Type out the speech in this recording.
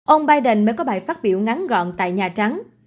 ông biden mới có bài phát biểu ngắn gọn tại nhà trắng